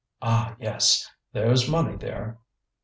ah, yes! there's money there!"